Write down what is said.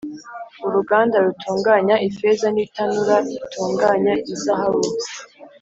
uruganda rutunganya ifeza, n’itanura ritunganya izahabu